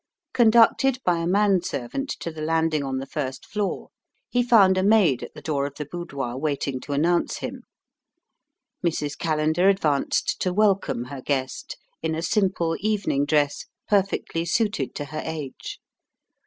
Conducted by a man servant to the landing on the first floor, he found a maid at the door of the boudoir waiting to announce him. Mrs. Callender advanced to welcome her guest, in a simple evening dress, perfectly suited to her age.